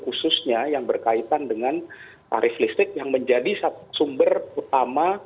khususnya yang berkaitan dengan tarif listrik yang menjadi sumber utama